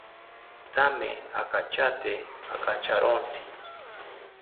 Thame akachate akacharontzi